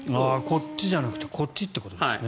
こっちじゃなくてこっちということですね。